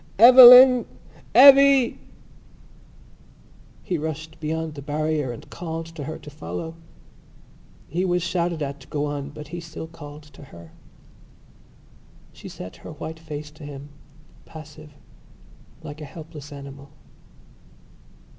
"Eveline! Evvy!" He rushed beyond the barrier and called to her to follow. He was shouted at to go on but he still called to her. She set her white face to him, passive, like a helpless animal.